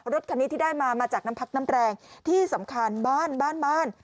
รถคันนี้ที่ได้มามาจากน้ำพักน้ำแรงที่สำคัญบ้านบ้าน